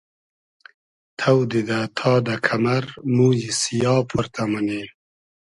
تۆ دیدۂ تا دۂ کئمئر مویی سیا پۉرتۂ مونی